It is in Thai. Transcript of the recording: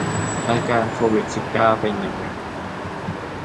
อาการโควิด สิบเก้า เป็นยังไง